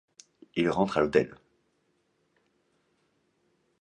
Il rentre à l'hôtel.